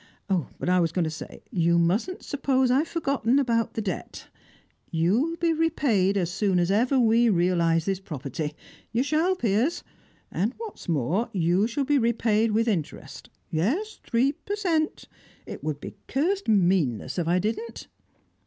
But I was going to say that you mustn't suppose I've forgotten about the debt. You shall be repaid as soon as ever we realise this property; you shall, Piers! And, what's more, you shall be repaid with interest; yes, three per cent. It would be cursed meanness if I didn't."